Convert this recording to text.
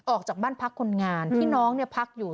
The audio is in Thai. ออกจากบ้านพักคนงานที่น้องพักอยู่